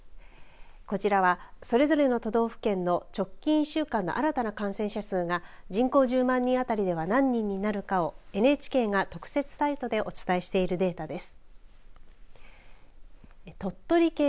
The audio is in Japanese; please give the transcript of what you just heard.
こちらはそれぞれの都道府県の直近１週間の新たな感染者数が人口１０万人当たりでは何人になるかをＮＨＫが特設サイトでお伝えしているデータです。